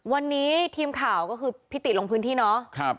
วันนี้ทีมข่าวก็คือพิติลงพื้นที่เนาะ